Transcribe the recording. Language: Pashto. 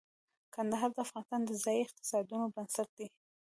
کندهار د افغانستان د ځایي اقتصادونو بنسټ دی.